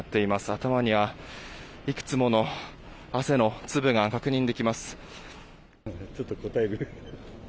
頭には、いくつもの汗の粒が確認できます。